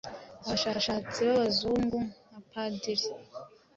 Abashakashatsi b'Abazungu, nka ba Padiri